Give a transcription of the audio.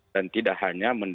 dan tidak hanya mendakwa